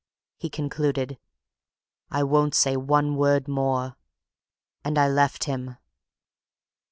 he concluded. 'I won't say one word more.' And I left him."